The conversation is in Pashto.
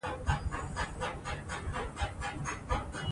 هنر د ټولنې د پرمختګ، فرهنګي ودې او ژبې د پراختیا لپاره حیاتي دی.